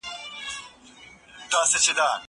أَفَلَمْ يَسِيرُوا فِي الْأَرْضِ.